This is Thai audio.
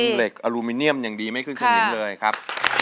เหล็กอลูมิเนียมอย่างดีไม่ขึ้นสมิงเลยครับ